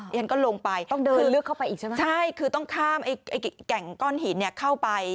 ฉันก็ลงไปต้องเดินคือลึกเข้าไปอีกใช่ไหมใช่คือต้องข้ามไอ้แก่งก้อนหินเนี่ยเข้าไป